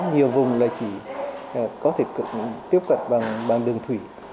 nhiều vùng là chỉ có thể tiếp cận bằng đường thủy